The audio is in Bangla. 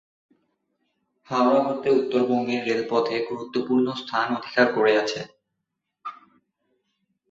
হাওড়া হতে উত্তরবঙ্গের রেলপথে গুরুত্বপূর্ণ স্থান অধিকার করে আছে।